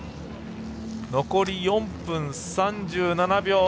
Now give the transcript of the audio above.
残り４分３７秒。